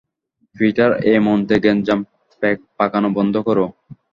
Peter, এই মন্ত্রে গ্যাঞ্জাম পাকানো বন্ধ করো।